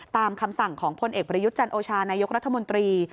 ตามคำสั่งของพลเอกประยุทธ์จันโอชานายกรัฐมนตรี